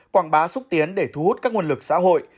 quảng bá xúc tiến để thu hút các nguồn lực xã hội